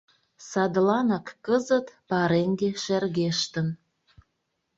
Садланак кызыт пареҥге шергештын.